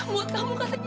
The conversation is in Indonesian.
mila buat apa